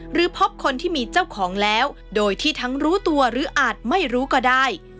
หรือพบคนที่มีเจ้าของแล้วโดยที่ทั้งรู้ตัวหรืออาจไม่รู้ก็ได้